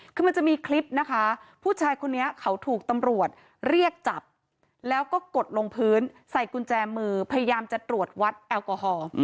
คือมันจะมีคลิปนะคะผู้ชายคนนี้เขาถูกตำรวจเรียกจับแล้วก็กดลงพื้นใส่กุญแจมือพยายามจะตรวจวัดแอลกอฮอล์